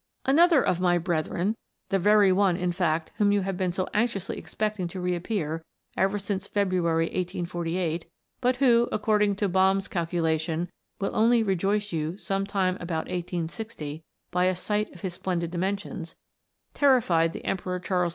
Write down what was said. Another of my brethren the very one, in fact, whom you have been so anxiously expecting to reap pear ever since February, 1848, but who, according to Bomme's calculation, will only rejoice you sometime about I860 by a sight of his splendid dimensions terrified the Emperor Charles V.